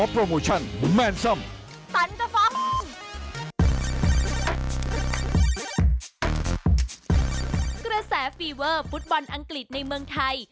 กระแสฟีเวอร์ฟุตบอลอังกฤษในเมืองไทย